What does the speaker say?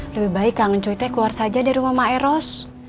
lebih baik kangen cuitnya keluar saja dari rumah maeros